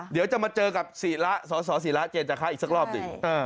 เดี๋ยวจะมาเจอกับศศศรีร้าเจนจะค้าอีกสักรอบดิ